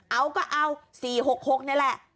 เอาก็เอา๔๖๖นี่แหละ